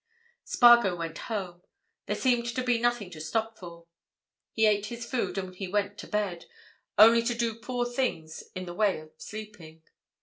Spargo went home; there seemed to be nothing to stop for. He ate his food and he went to bed, only to do poor things in the way of sleeping.